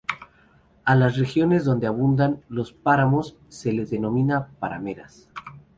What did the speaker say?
A las regiones donde abundan los páramos se las denomina parameras.